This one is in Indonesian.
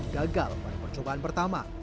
gagal pada percobaan pertama